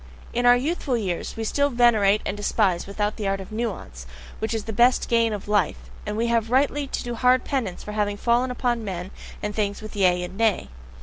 In our youthful years we still venerate and despise without the art of NUANCE, which is the best gain of life, and we have rightly to do hard penance for having fallen upon men and things with Yea and Nay.